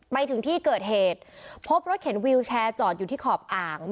ไปถึงที่เกิดเหตุพบรถเข็นวิวแชร์จอดอยู่ที่ขอบอ่าง